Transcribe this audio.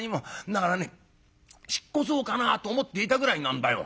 だからね引っ越そうかなと思っていたぐらいなんだよ。